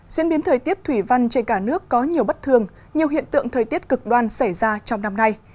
diễn biến thời tiết thủy văn trên cả nước có nhiều bất thường nhiều hiện tượng thời tiết cực đoan xảy ra trong năm nay